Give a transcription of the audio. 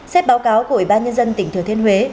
xét báo cáo của ủy ban nhân dân tỉnh thừa thiên huế